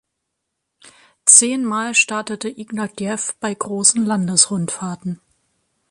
Zehn Mal startete Ignatjew bei großen Landesrundfahrten.